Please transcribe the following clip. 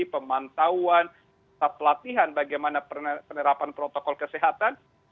pemantauan pelatihan bagaimana penerapan protokol kesehatan